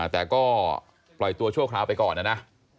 แต่ก็ปล่อยตัวชั่วคราวไปก่อนนะนะ